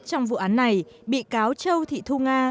trong vụ án này bị cáo châu thị thu nga